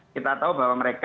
kita tahu bahwa mereka